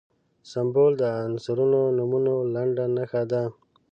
سمبول د عنصرونو د نومونو لنډه نښه ده.